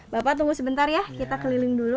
bapak tunggu sebentar ya kita keliling dulu